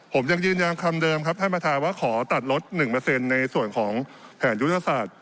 ผมยังยืนยันคำเดิมครับท่านประธานว่าขอตัดลด๑ในส่วนของแผนยุทธศาสตร์